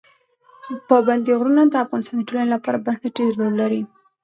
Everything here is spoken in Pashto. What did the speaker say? پابندی غرونه د افغانستان د ټولنې لپاره بنسټيز رول لري.